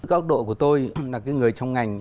góc độ của tôi là cái người trong ngành